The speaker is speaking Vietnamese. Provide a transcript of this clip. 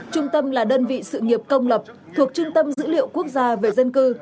trung tâm là đơn vị sự nghiệp công lập thuộc trung tâm dữ liệu quốc gia về dân cư